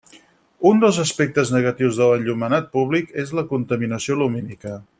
Un dels aspectes negatius de l'enllumenat públic és la contaminació lumínica.